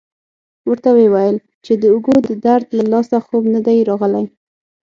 ورته ویې ویل چې د اوږو د درد له لاسه خوب نه دی راغلی.